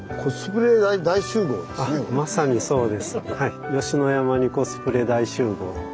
まさにそうです。